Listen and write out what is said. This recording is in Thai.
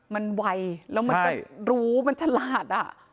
มันไวแล้วมันก็รู้มันฉลาด